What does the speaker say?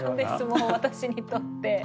もう私にとって。